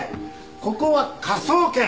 ここは科捜研！